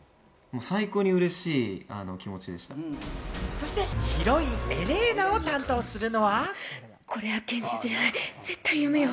そして、ヒロイン、エレーナを担当するのは。